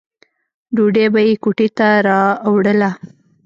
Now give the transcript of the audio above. ډوډۍ به یې کوټې ته راوړله.